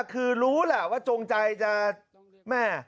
คือรู้ล่ะว่าจงใจจะ